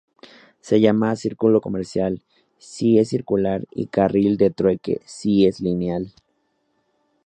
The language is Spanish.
Se llama "círculo comercial" si es circular y "carril de trueque" si es lineal.